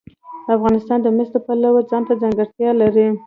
افغانستان د مس د پلوه ځانته ځانګړتیا لري.